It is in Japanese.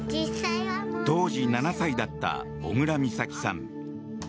当時７歳だった小倉美咲さん。